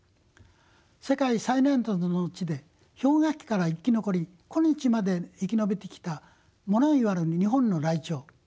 世界最南端の地で氷河期から生き残り今日まで生き延びてきた物言わぬ日本のライチョウ。